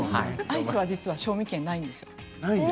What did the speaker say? アイスは基本的に賞味期限はないんですよ。